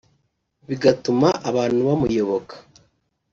bigatuma abantu bamuyoboka